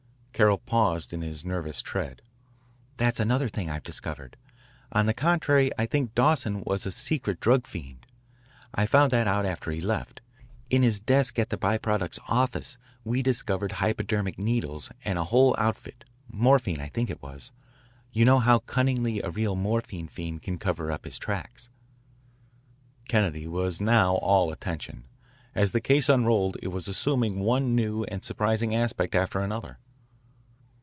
Carroll paused in his nervous tread. "That's another thing I've discovered. On the contrary, I think Dawson was a secret drug fiend. I found that out after he left. In his desk at the By Products office we discovered hypodermic needles and a whole outfit morphine, I think it was. You know how cunningly a real morphine fiend can cover up his tracks." Kennedy was now all attention. As the case unrolled it was assuming one new and surprising aspect after another.